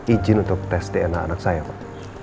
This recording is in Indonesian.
izin untuk tes dna anak saya pak